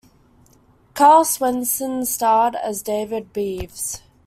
Karl Swenson starred as David Beeves.